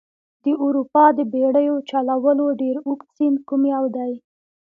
د اروپا د بیړیو چلولو ډېر اوږد سیند کوم یو دي؟